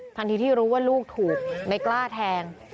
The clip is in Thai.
ที่รู้ว่าลูกถูกในกล้าแทง